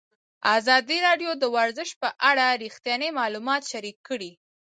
ازادي راډیو د ورزش په اړه رښتیني معلومات شریک کړي.